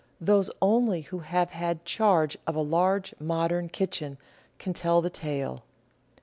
Those only who have had charge of a large, modern kitchen can tell the tale.